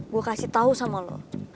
gue kasih tau sama lo